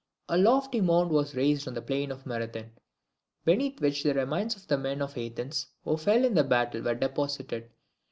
A lofty mound was raised on the plain of Marathon, beneath which the remains of the men of Athens who fell in the battle were deposited.